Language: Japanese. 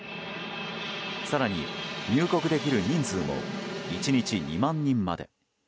更に、入国できる人数も１日２万人まで。